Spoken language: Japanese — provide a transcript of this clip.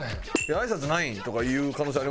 「挨拶ないん？」とか言う可能性ありますもんね